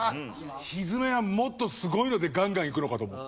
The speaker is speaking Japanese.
ひづめはもっとすごいのでガンガンいくのかと思って。